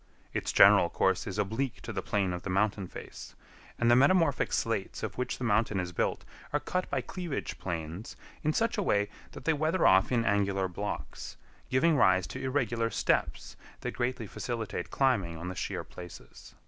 Its general course is oblique to the plane of the mountain face, and the metamorphic slates of which the mountain is built are cut by cleavage planes in such a way that they weather off in angular blocks, giving rise to irregular steps that greatly facilitate climbing on the sheer places.